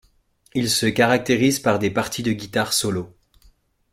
Il se caractérise par des parties de guitare solo.